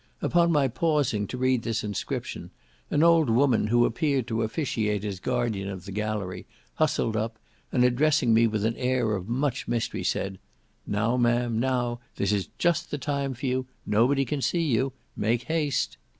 Upon my pausing to read this inscription, an old woman who appeared to officiate as guardian of the gallery, hustled up, and addressing me with an air of much mystery, said, "Now, ma'am, now; this is just the time for you—nobody can see you—make haste."